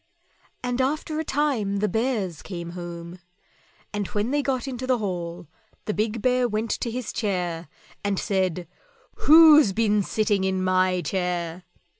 And after a time the Bears came home, and when they got into the hall the big Bear went to his chair and said, "WHO'S BEEN SITTING IN MY CHAIR?"